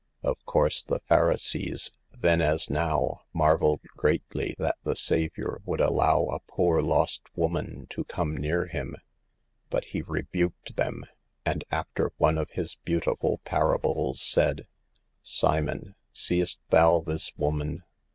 Of course, the Pharisees, then as now, marveled greatly that the Savior would allow a poor, lost woman to come near Him. But He rebuked them, and, after one of His beautiful parables, said: " Simon, seest thou this woman?